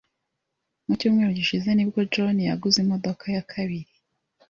Mu cyumweru gishize nibwo John yaguze imodoka ya kabiri.